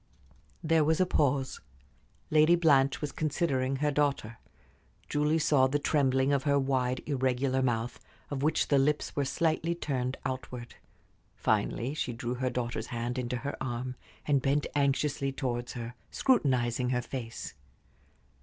There was a pause. Lady Blanche was considering her daughter. Julie saw the trembling of her wide, irregular mouth, of which the lips were slightly turned outward. Finally she drew her daughter's hand into her arm, and bent anxiously towards her, scrutinizing her face.